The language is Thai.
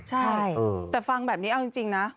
ใช่แต่ฟังแบบนี้เอาจริงนะ